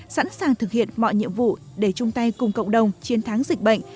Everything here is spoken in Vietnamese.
sẵn sàng thực hiện mọi nhiệm vụ để trung tây cùng cộng đồng chiến thắng dịch bệnh